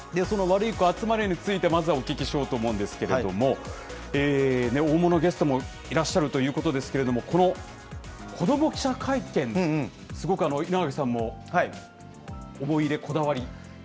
そのワルイコあつまれについて、まずはお聞きしようと思うんですけれども、大物ゲストもいらっしゃるということですけれども、この子ども記者会見、すごく、稲そうですね。